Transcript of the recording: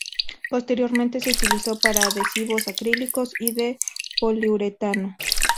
Posteriormente se utilizó para adhesivos acrílicos y de poliuretano.